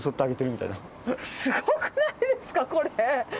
すごくないですか、これ。